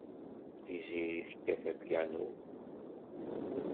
Tiziri tekkat apyanu.